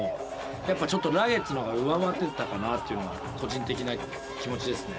やっぱちょっとラゲッズのほうが上回ってたかなっていうのは個人的な気持ちですね。